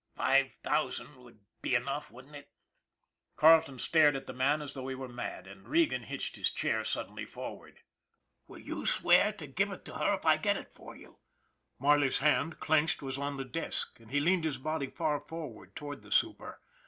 " Five thousand would be enough, wouldn't it? " Carleton stared at the man as though he were mad, and Regan hitched his chair suddenly forward. " Will you swear to give it to her if I get it for you? " Marley 's hand, clenched, was on the desk, and he leaned his body far forward toward the super.